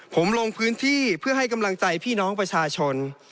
ผมลงพื้นที่เพื่อให้กำลังใจพี่น้องประชาชน